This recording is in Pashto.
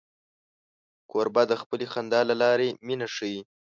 کوربه د خپلې خندا له لارې مینه ښيي.